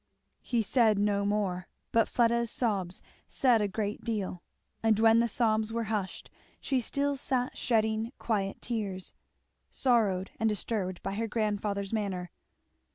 He said no more; but Fleda's sobs said a great deal. And when the sobs were hushed, she still sat shedding quiet tears, sorrowed and disturbed by her grandfather's manner.